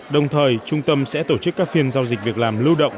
đồng thời trung tâm sẽ tổ chức các phiên giao dịch việc làm lưu động